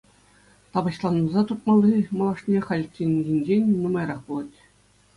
Тапаҫланса туртмалли малашне халичченхинчен нумайрах пулать.